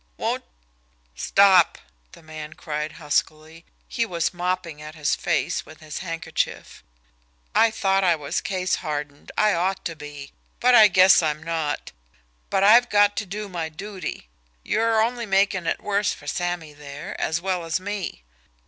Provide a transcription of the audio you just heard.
Won't " "Stop!" the man cried huskily. He was mopping at his face with his handkerchief. "I thought I was case hardened, I ought to be but I guess I'm not. But I've got to do my duty. You're only making it worse for Sammy there, as well as me."